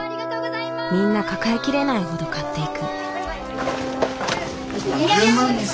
みんな抱えきれないほど買っていく。